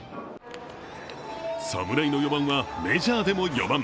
侍の４番はメジャーでも４番。